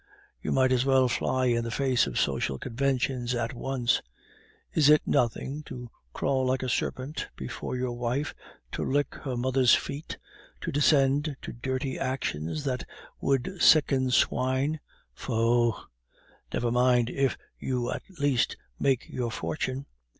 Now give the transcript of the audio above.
You might as well fly in the face of social conventions at once. Is it nothing to crawl like a serpent before your wife, to lick her mother's feet, to descend to dirty actions that would sicken swine faugh! never mind if you at least make your fortune.